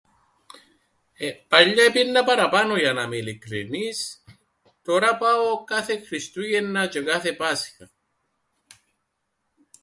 Εεε... παλιά επήαιννα παραπάνω, για να 'μαι ειλικρινής, τωρά πάω κάθε Χριστούγεννα τζ̆αι κάθε Πάσχαν.